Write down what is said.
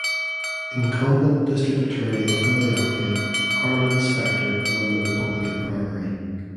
Incumbent District Attorney of Philadelphia Arlen Specter won the Republican primary.